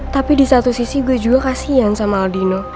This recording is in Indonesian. tapi di satu sisi gue juga kasian sama aldino